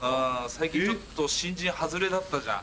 最近ちょっと新人ハズレだったじゃん。